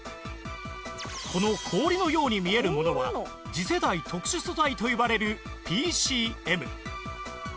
この氷のように見えるものは次世代特殊素材といわれる ＰＣＭ